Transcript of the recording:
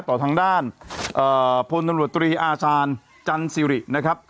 ต่อทางด้านพลตำรวจตรีอาชาญจันสิรินะครับ